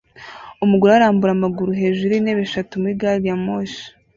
Umugore arambura amaguru hejuru yintebe eshatu muri gari ya moshi